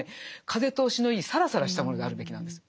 風通しのいいサラサラしたものであるべきなんです。